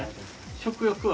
食欲は？